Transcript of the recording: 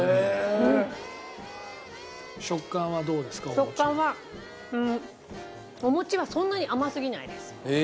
食感はお餅はそんなに甘すぎないです。